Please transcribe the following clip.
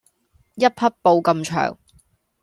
一匹布咁長